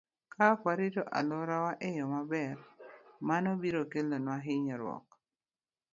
Ka ok warito alworawa e yo maber, mano biro kelonwa hinyruok.